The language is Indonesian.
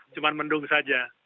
cuma mendung saja